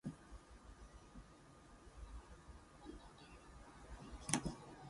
It is now in the Tate Gallery's collection.